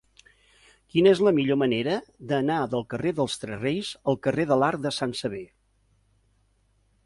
Quina és la millor manera d'anar del carrer dels Tres Reis al carrer de l'Arc de Sant Sever?